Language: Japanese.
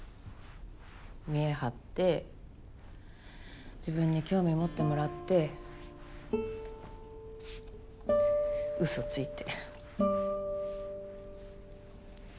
見え張って自分に興味持ってもらってうそついて。